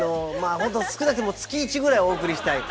本当少なくても月１ぐらいお送りしたい。